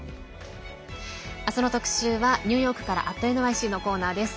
明日の特集はニューヨークから「＠ｎｙｃ」のコーナーです。